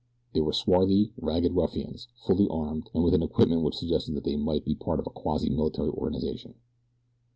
They were swarthy, ragged ruffians, fully armed, and with an equipment which suggested that they might be a part of a quasi military organization.